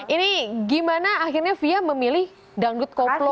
ini gimana akhirnya fia memilih dangdut koplo